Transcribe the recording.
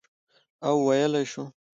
او ویلای شو،